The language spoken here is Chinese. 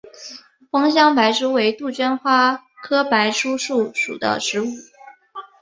芳香白珠为杜鹃花科白珠树属的植物。